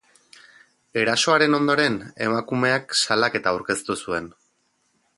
Erasoaren ondoren, emakumeak salaketa aurkeztu zuen.